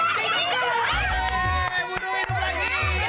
mak sakit burungnya